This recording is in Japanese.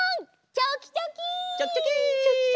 チョキチョキ！